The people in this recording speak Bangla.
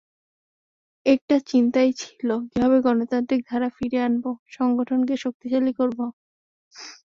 একটা চিন্তাই ছিল, কীভাবে গণতান্ত্রিক ধারা ফিরিয়ে আনব, সংগঠনকে শক্তিশালী করব।